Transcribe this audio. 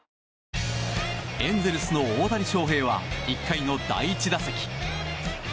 エンゼルスの大谷翔平は１回の第１打席。